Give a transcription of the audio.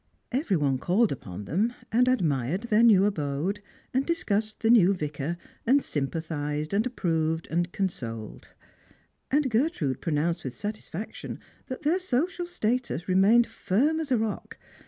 Every one caiied upon them, and admired their new abode, and discussed the new Vicar, and sympathised and approved and consoled. And Gertrude pro nounced with satisfaction that their social status remained firm as a rock.